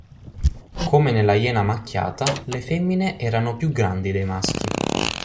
Come nella iena macchiata, le femmine erano più grandi dei maschi.